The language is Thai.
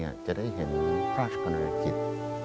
ทุกเย็นจะได้เห็นพระราชกรรณกิจ